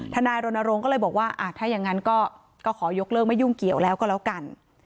ทนายรณรงค์ก็เลยบอกว่าถ้าอย่างนั้นก็ขอยกเลิกไม่ยุ่งเกี่ยวแล้วก็แล้วกัน